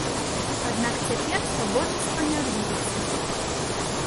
Аднак цяпер спаборніцтва не адбудзецца.